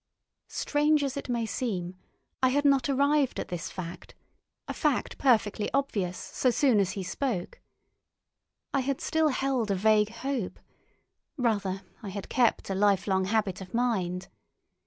Strange as it may seem, I had not arrived at this fact—a fact perfectly obvious so soon as he spoke. I had still held a vague hope; rather, I had kept a lifelong habit of mind.